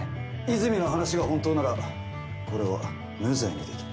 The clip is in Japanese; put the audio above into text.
泉の話が本当ならこれは無罪にできる。